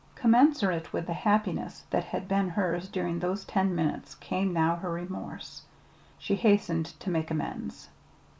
Commensurate with the happiness that had been hers during those ten minutes came now her remorse. She hastened to make amends.